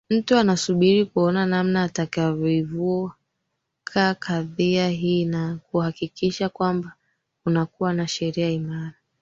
mtu anasubiri kuona namna atakavyoivuka kadhia hii na kuhakikisha kwamba kunakuwa na sheria imara